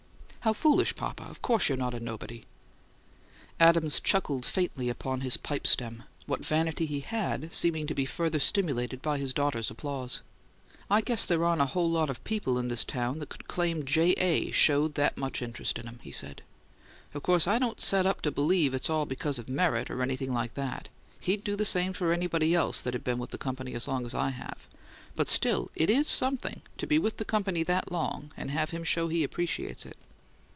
"How foolish, papa! Of COURSE you're not 'a nobody.'" Adams chuckled faintly upon his pipe stem, what vanity he had seeming to be further stimulated by his daughter's applause. "I guess there aren't a whole lot of people in this town that could claim J. A. showed that much interest in 'em," he said. "Of course I don't set up to believe it's all because of merit, or anything like that. He'd do the same for anybody else that'd been with the company as long as I have, but still it IS something to be with the company that long and have him show he appreciates it."